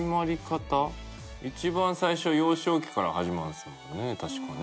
一番最初幼少期から始まるんですもんね確かね。